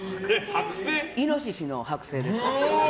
イノシシの剥製です。